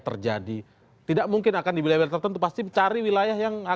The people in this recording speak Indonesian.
pertama kontrak politik itu kan sebuah janji